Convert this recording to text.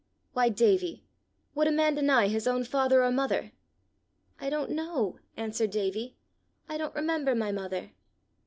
Why, Davie! would a man deny his own father or mother?" "I don't know," answered Davie; "I don't remember my mother."